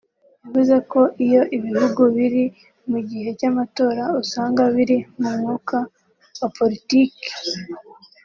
yavuze ko iyo ibihugu biri mu gihe cy’amatora usanga biri mu mwuka wa politiki